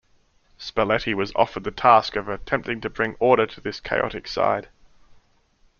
Spalletti was offered the task of attempting to bring order to this chaotic side.